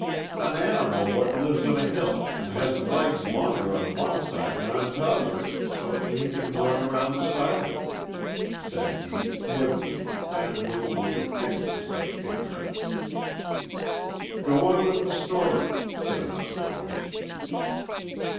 "An animal what lives on a hill, an' has legs longer on one side than on t 'other, so 't he can run round the side of it," said he, glibly, and with a look of pity for such ignorance. "Go on with the story," said another voice.